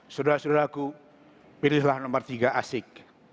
saudara saudaraku pilihlah nomor tiga asik